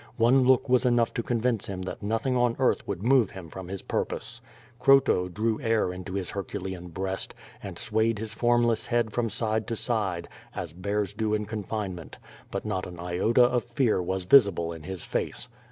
One look was enough to convince him that nothing on earth would move him from his purpose. Croto drew air into his hercu lean breast, and swayi'd his formless head from side to side. QUO VADIS. 171 as bears do in confinement. But not an iota of fear was visi ble in his face.